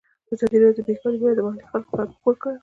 ازادي راډیو د بیکاري په اړه د محلي خلکو غږ خپور کړی.